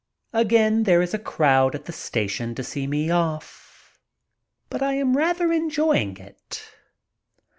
Again there is a crowd at the station to see me off, but I am rather enjoying it.